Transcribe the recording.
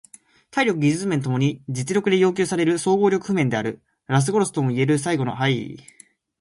体力と技術共に高い実力で要求される総合力譜面である。ラス殺しともいえる最後の複合は配色が複雑で大きく削られやすい。